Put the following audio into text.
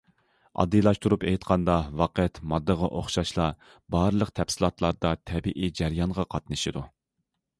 ئاددىيلاشتۇرۇپ ئېيتقاندا، ۋاقىت ماددىغا ئوخشاشلا، بارلىق تەپسىلاتلاردا، تەبىئىي جەريانغا قاتنىشىدۇ.